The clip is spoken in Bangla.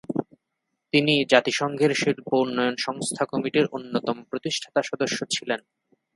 তিনি জাতিসংঘের শিল্প উন্নয়ন সংস্থা কমিটির অন্যতম প্রতিষ্ঠাতা সদস্য ছিলেন।